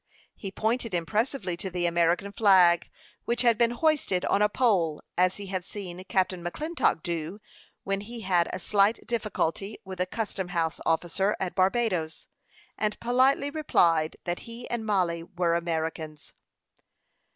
He pointed impressively to the American flag, which had been hoisted on a pole, as he had seen Captain McClintock do when he had a slight difficulty with a custom house officer at Barbadoes, and politely replied that he and Mollie were Americans.